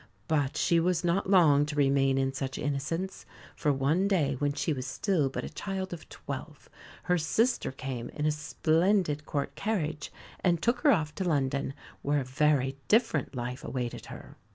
But she was not long to remain in such innocence; for one day when she was still but a child of twelve her sister came in a splendid Court carriage, and took her off to London, where a very different life awaited her.